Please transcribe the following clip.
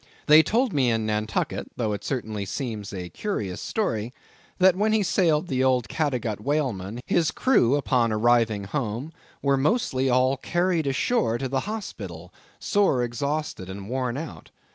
They told me in Nantucket, though it certainly seems a curious story, that when he sailed the old Categut whaleman, his crew, upon arriving home, were mostly all carried ashore to the hospital, sore exhausted and worn out.